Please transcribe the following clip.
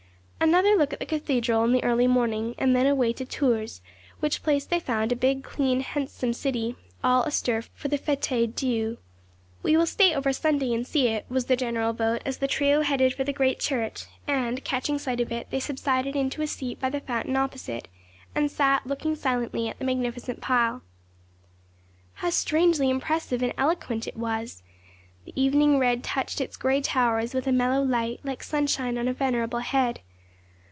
Another look at the cathedral in the early morning, and then away to Tours, which place they found a big, clean, handsome city, all astir for the Fête Dieu. 'We will stay over Sunday and see it,' was the general vote as the trio headed for the great church, and, catching sight of it, they subsided into a seat by the fountain opposite, and sat looking silently at the magnificent pile. How strangely impressive and eloquent it was! The evening red touched its grey towers with a mellow light, like sunshine on a venerable head.